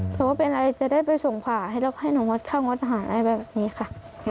แต่ว่าเป็นอะไรจะได้ไปส่งผ่าให้เราก็ให้หนุ่มวัดข้างวัดอาหารอะไรแบบนี้ค่ะ